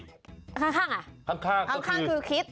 ข้างคือคิด